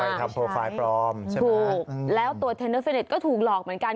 ทำโปรไฟล์ปลอมใช่ไหมถูกแล้วตัวเทนเนอร์ฟิเน็ตก็ถูกหลอกเหมือนกัน